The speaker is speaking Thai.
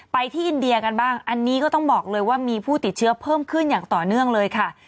ที่อินเดียกันบ้างอันนี้ก็ต้องบอกเลยว่ามีผู้ติดเชื้อเพิ่มขึ้นอย่างต่อเนื่องเลยค่ะ